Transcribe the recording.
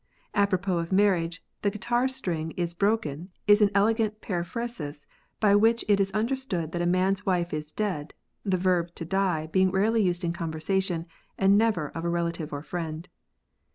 Apropos of marriage, the guitar stiing is hrohen, is an elegant periphrasis by which it is under stood that a man's wife is dead, the verb ''to die" being rarely used in conversation, and never of a rela tive or friend.